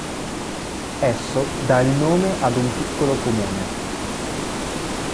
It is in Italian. Esso dà il nome ad un piccolo comune.